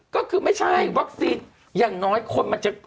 ก็คือไม่ใช่วัคซีนอย่างน้อยคนมันจะ